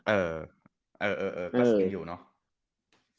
เออเออเออก็ยังอยู่เนาะ